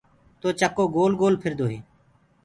تو چڪو گول گول ڦِردو هي۔